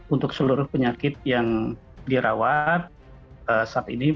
untuk seluruh penyakit yang dirawat saat ini